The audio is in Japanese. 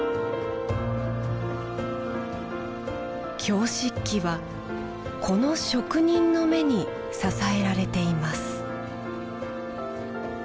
京漆器はこの職人の目に支えられています